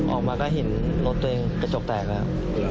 ออกมาก็เห็นรถตัวเองกระจกแตกแล้ว